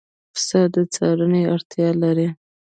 پسه د څارنې اړتیا لري.